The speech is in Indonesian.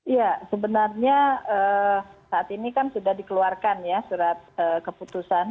ya sebenarnya saat ini kan sudah dikeluarkan ya surat keputusan